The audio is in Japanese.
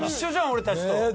俺たちと。